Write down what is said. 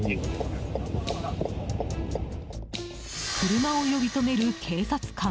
車を呼び止める警察官。